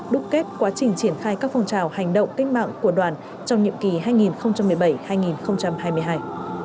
đúc kết quá trình triển khai các phong trào hành động cách mạng của đoàn trong nhiệm kỳ hai nghìn một mươi bảy hai nghìn hai mươi hai